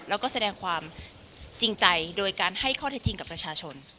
แล้วก็แสดงความจริงใจโดยการให้ข้อเท็จจริงกับประชาชน